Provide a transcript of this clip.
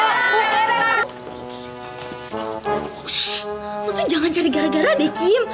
shh lu tuh jangan cari gara gara deh kim